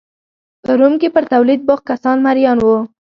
په روم کې پر تولید بوخت کسان مریان وو